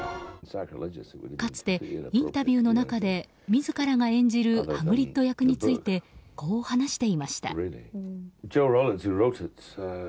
かつて、インタビューの中で自らが演じるハグリッド役についてこう話していました。